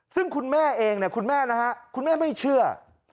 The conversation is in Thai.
ซึ่งคุณแม่เองนะครับคุณแม่ไม่เชื่อ